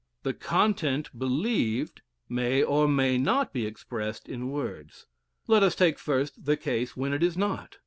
The content believed may or may not be expressed in words. Let us take first the case when it is not.